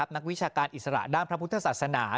นักวิชาการอิสระด้านพระพุทธศาสนา